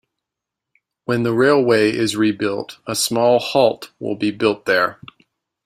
When the railway is rebuilt a small halt will be built there.